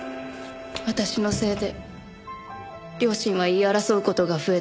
私のせいで両親は言い争う事が増えて。